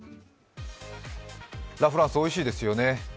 ラ・フランスおいしいですよね。